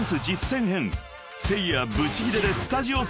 ［せいやブチギレでスタジオ騒然］